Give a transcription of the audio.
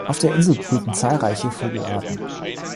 Auf der Insel brüten zahlreiche Vogelarten.